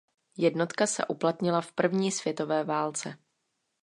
Jednotka se uplatnila v první světové válce.